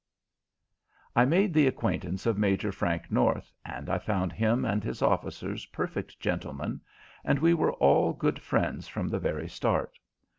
I made the acquaintance of Major Frank North, and I found him and his officers perfect gentlemen, and we were all good friends from the very start.